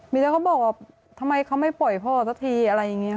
มีแล้วเขาบอกว่าทำไมเขาไม่ปล่อยพ่อสักทีอะไรอย่างนี้